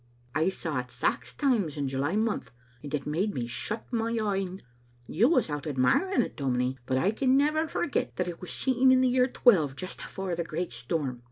I saw it sax times in July month, and it made me shut my een. You was out admiring it, dominie, but I can never forget that it was seen in the year twelve just afore the great storm.